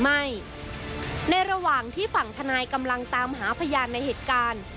ในระหว่างที่ฝั่งทนายกำลังตามหาพยานในเหตุการณ์